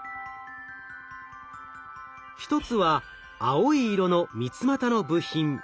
１つは青い色の三つまたの部品。